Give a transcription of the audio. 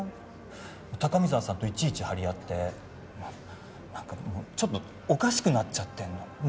高見沢さんといちいち張り合ってなんかもうちょっとおかしくなっちゃってんの桃地。